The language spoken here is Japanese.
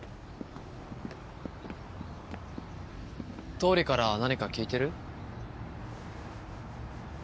倒理から何か聞いてる？